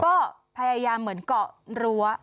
ก็พยายามเหมือนเกาะรั้ว